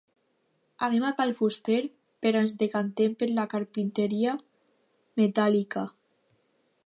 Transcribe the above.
Anem a cal fuster, però ens decantem per la “carpinteria metàl·lica”.